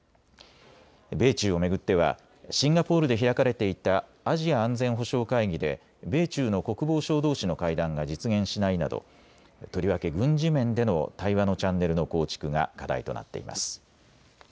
米中を巡ってはシンガポールで開かれていたアジア安全保障会議で米中の国防相どうしの会談が実現しないなど、とりわけ軍事面での対話のチャンネルの構築が課題となっています。